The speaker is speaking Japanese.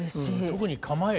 特に構え。